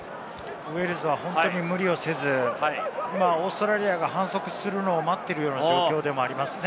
ウェールズは本当に無理をせず、オーストラリアが反則するのを待っているような状況でもありますね。